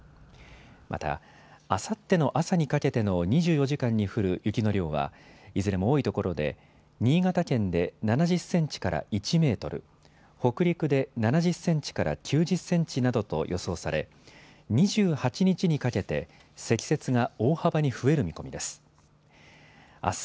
また、あさっての朝にかけての２４時間に降る雪の量は、いずれも多い所で、新潟県で７０センチから１メートル、北陸で７０センチから９０センチなどと予想され、２８日にかけて、積雪が大幅に増える見込みです。